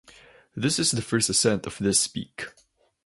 This is the first ascent of this peak.